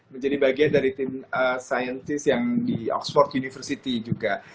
menjadi bagian dari tim saintis yang di oxford university juga